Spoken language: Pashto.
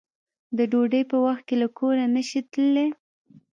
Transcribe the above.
د ډوډۍ په وخت کې له کوره نشې تللی